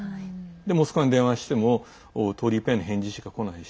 モスクワに電話しても通り一遍の返事しか来ないし